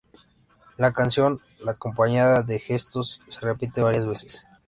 La canción, acompañada de gestos, se repite varias veces.